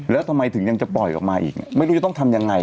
แล้วทำไมถึงยังจะปล่อยออกมาอีกไม่รู้จะต้องทำยังไง